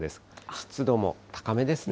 湿度も高めですね。